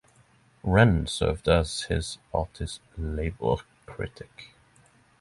Wren served as his party's Labour Critic.